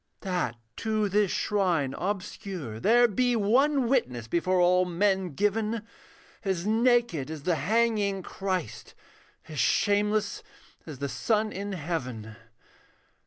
That to this shrine obscure there be One witness before all men given, As naked as the hanging Christ, As shameless as the sun in heaven.